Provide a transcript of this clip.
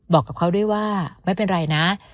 บอกกับเขาด้วยว่าไม่เป็นไรนะ